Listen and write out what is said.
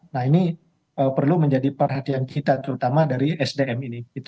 nah ini perlu menjadi perhatian kita terutama dari sdm ini